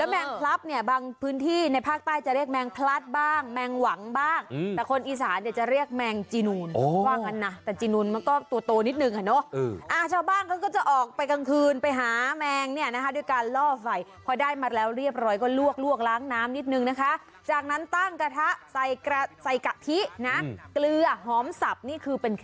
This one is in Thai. มมมันมีกะทิอ่ะมันมีความมันมันกว่านิดหนึ่ง